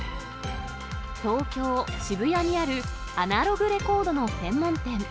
東京・渋谷にあるアナログレコードの専門店。